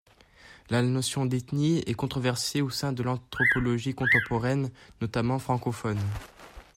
La notion d'ethnie est controversée au sein de l'anthropologie contemporaine, notamment francophone.